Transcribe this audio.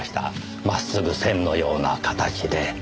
真っすぐ線のような形で。